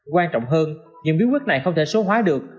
quan trọng hơn những bí quyết này không thể số hóa được